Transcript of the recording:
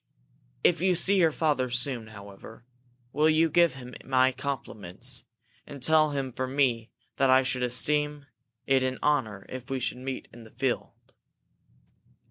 If you see your father soon, however, will you give him my compliments? And tell him from me that I should esteem it an honor if we should meet in the field?"